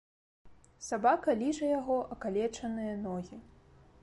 Сабака ліжа яго акалечаныя ногі.